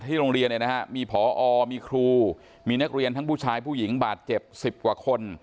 ที่โรงเรียนเนี้ยนะฮะมีมีครูมีนักเรียนทั้งผู้ชายผู้หญิงบาดเจ็บสิบกว่าคน